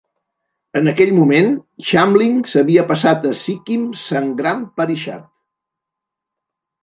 En aquell moment, Chamling s'havia passat al Sikkim Sangram Parishad.